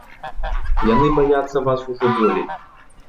Яны баяцца вас ужо болей.